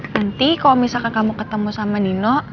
nanti kalau misalkan kamu ketemu sama nino